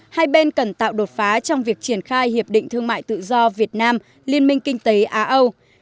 hai bên cần tạo đột phá trong việc triển khai hiệp định thương mại tự do việt nam liên minh kinh tế á âu